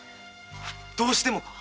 どうしてもか？